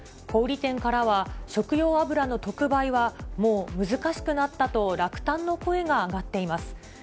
小売り店からは、食用油の特売はもう難しくなったと落胆の声が上がっています。